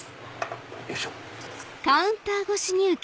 よいしょ。